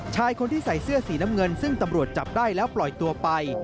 ชายคนที่ใส่เสื้อสีน้ำเงินซึ่งตำรวจจับได้แล้วปล่อยตัวไป